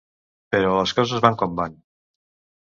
Però les coses van com van.